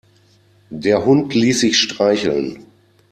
Der Hund ließ sich streicheln.